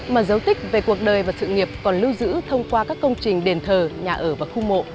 mà dấu tích về cuộc đời và sự nghiệp còn lưu giữ thông qua các công trình đền thờ nhà ở và khu mộ